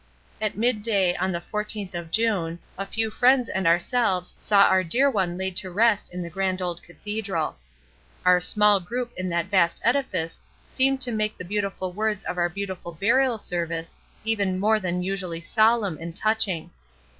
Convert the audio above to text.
At midday on the fourteenth of June a few friends and ourselves saw our dear one laid to rest in the grand old cathedral. Our small group in that vast edifice seemed to make the beautiful words of our beautiful burial service even more than usually solemn and touching.